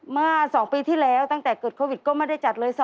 เมื่อ๒ปีที่แล้วตั้งแต่เกิดโควิดก็ไม่ได้จัดเลย